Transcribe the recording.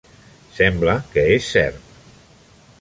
Sembla que és cert.